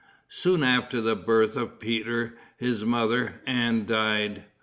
Soon after the birth of Peter, his mother, Anne, died.